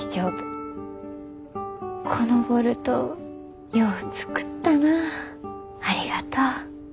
「このボルトよう作ったなありがとう」。